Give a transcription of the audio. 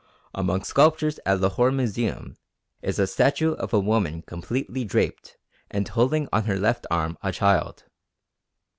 Among sculptures at Lahore Museum is a statue of a woman completely draped and holding on her left arm a child.